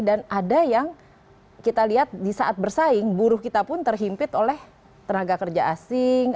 dan ada yang kita lihat di saat bersaing buruh kita pun terhimpit oleh tenaga kerja asing